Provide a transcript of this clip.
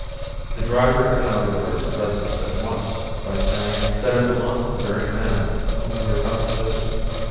The driver accounted for its presence at once by saying that it belonged to the very man whom we were about to visit.